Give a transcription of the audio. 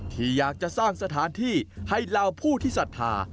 ที่อยากจะสร้างสถานที่ให้เหล่าผู้ที่ศรัทธา